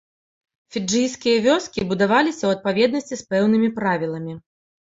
Фіджыйскія вёскі будаваліся ў адпаведнасці з пэўнымі правіламі.